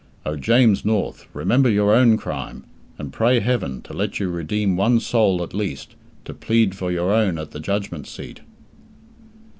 Oh, James North, remember your own crime, and pray Heaven to let you redeem one soul at least, to plead for your own at the Judgment Seat.